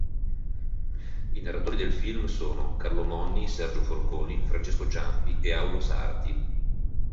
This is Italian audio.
I narratori del film sono: Carlo Monni, Sergio Forconi, Francesco Ciampi e Aulo Sarti.